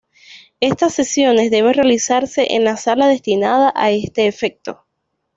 Estas sesiones deben realizarse en la sala destinada a este efecto.